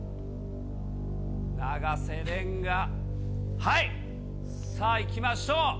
永瀬廉が、はい、さあ、いきましょう。